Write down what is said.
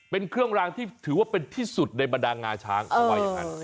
เป็นเครื่องรางที่ถือว่าเป็นที่สุดในบรรดางาช้างเขาว่าอย่างนั้น